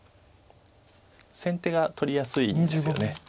先手が取りやすいんですよね